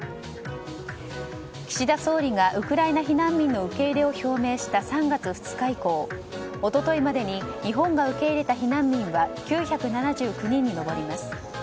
岸田総理がウクライナ避難民の受け入れを表明した３月２日以降、一昨日までに日本が受け入れた避難民は９７９人に上ります。